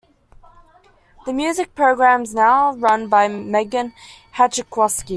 The music program is now run by Meghan Hachkowski.